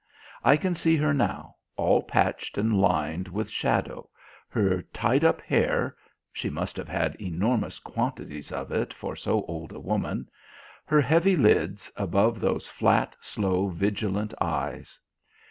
I can see her now, all patched and lined with shadow, her tied up hair (she must have had enormous quantities of it for so old a woman), her heavy lids above those flat, slow, vigilant eyes.